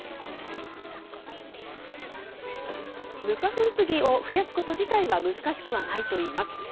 無花粉スギを増やすこと自体は難しくはないといいます。